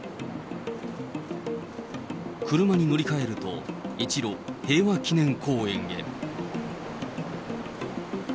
車に乗り換えると、一路、平和記念公園へ。